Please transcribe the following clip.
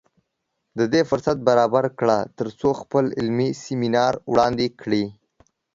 د دې فرصت برابر کړ تر څو خپل علمي سیمینار وړاندې کړي